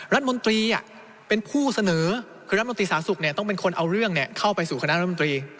รัฐมนตรีเป็นผู้เสนอคือรัฐมนตรีสาธารณสุขต้องเป็นคนเอาเรื่องเข้าไปสู่คณะรัฐมนตรี